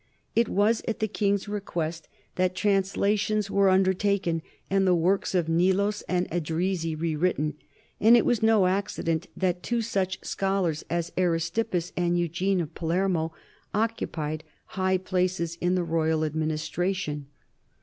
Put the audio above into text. It was at the kings' request that translations were undertaken and the works of Neilos and Edrisi written, and it was no accident that two such scholars as Aristippus and Eugene of Palermo occupied high places in the royal administration.